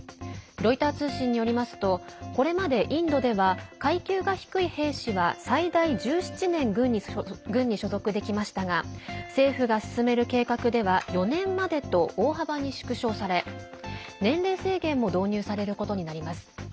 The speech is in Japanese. ロイター通信によりますとこれまで、インドでは階級が低い兵士は最大１７年軍に所属できましたが政府が進める計画では４年までと大幅に縮小され年齢制限も導入されることになります。